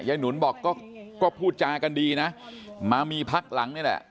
หนุนบอกก็พูดจากันดีนะมามีพักหลังนี่แหละ